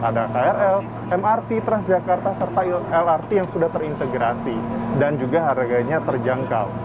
ada krl mrt transjakarta serta lrt yang sudah terintegrasi dan juga harganya terjangkau